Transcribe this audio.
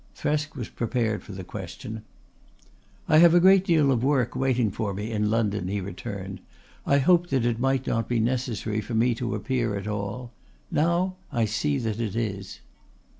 Thresk was prepared for the question. "I have a great deal of work waiting for me in London," he returned. "I hoped that it might not be necessary for me to appear at all. Now I see that it is."